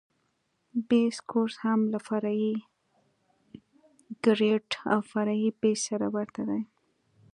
بیس کورس هم له فرعي ګریډ او فرعي بیس سره ورته دی